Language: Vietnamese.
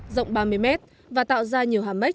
rộng ba mươi m và tạo ra nhiều hàm mếch